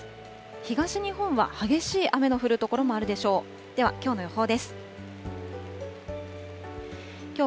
東日本は激しい雨の降る所もあるでしょう。